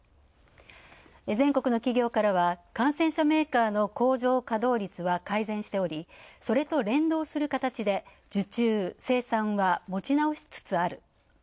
全国の企業からは、完成車メーカーの工場稼働率は改善しており、それと連動する形で受注生産は持ち直しつつある。